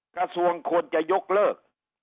กระทรวงควรจะยกเลิก